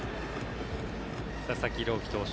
佐々木朗希投手